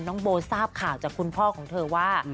น้องโบทราบข่าวจากคุณพ่อของเธอว่า